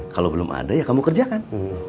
kalau belum ada ya kamu kerjakan